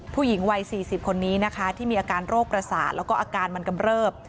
ผู้หญิงวัย๔๐คนนี้นะคะที่มีอาการโรคประสาทแล้วก็อาการมันกำเริบ